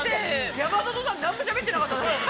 山里さん、何もしゃべってなかった。